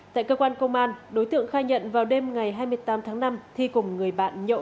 tại cơ quan công an đối tượng khai nhận vào đêm ngày hai mươi tám tháng năm thi cùng người bạn nhậu